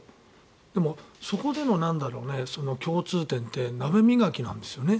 でも、そこでの共通点って鍋磨きなんですよね。